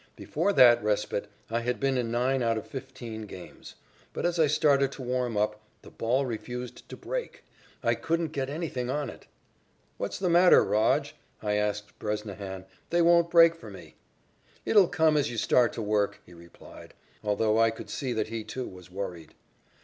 Before that respite, I had been in nine out of fifteen games. But as I started to warm up, the ball refused to break. I couldn't get anything on it. "What's the matter, Rog?" I asked Bresnahan. "They won't break for me." "It'll come as you start to work," he replied, although I could see that he, too, was worried.